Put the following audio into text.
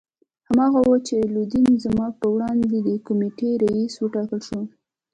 هماغه وو چې لودین زما په وړاندیز د کمېټې رییس وټاکل شو.